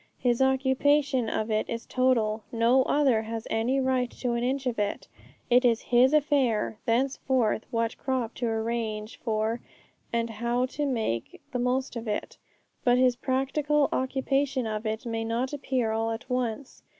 His occupation of it is total; no other has any right to an inch of it; it is his affair thenceforth what crops to arrange for and how to make the most of it. But his practical occupation of it may not appear all at once.